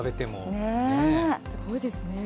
すごいですね。